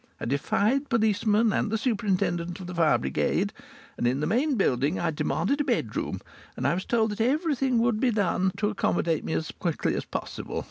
I defied policemen and the superintendent of the fire brigade. And in the main building I demanded a bedroom, and I was told that everything would be done to accommodate me as quickly as possible.